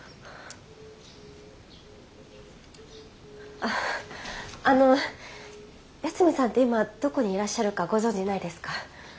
ああの八海さんって今どこにいらっしゃるかご存じないですか？